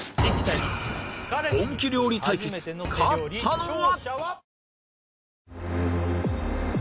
本気料理対決勝ったのは？